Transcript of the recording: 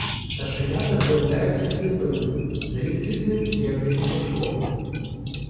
Пташенята з'являються сліпими, з рідкісним м'яким пушком.